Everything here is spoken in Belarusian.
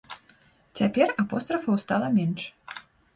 Цяпер апострафаў стала менш.